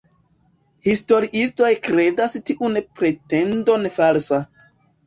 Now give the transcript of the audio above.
Historiistoj kredas tiun pretendon falsa.